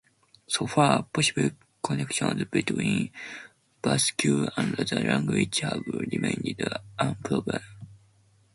So far, possible connections between Basque and other languages have remained unproven.